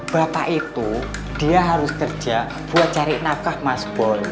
bapak itu dia harus kerja buat cari nafkah mas boleh